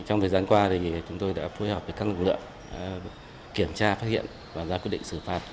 trong thời gian qua chúng tôi đã phối hợp với các lực lượng kiểm tra phát hiện và ra quyết định xử phạt